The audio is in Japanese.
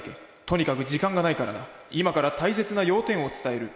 「とにかく時間がないからな今から大切な要点を伝える」。